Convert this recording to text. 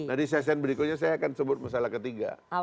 jadi saya akan sebut masalah ketiga